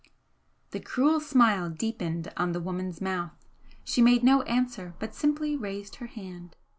The cruel smile deepened on the woman's mouth, she made no answer, but simply raised her hand.